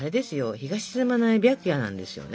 日が沈まない白夜なんですよね。